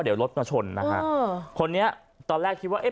อ่าคนนี้ตอนแรกคิดว่าเอ๊ม